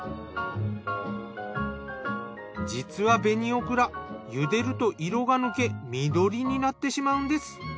実は紅オクラ茹でると色が抜け緑になってしまうんです。